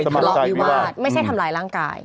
สมัครใจทะเลาวิวาดไม่ใช่ทำลายร่างกาย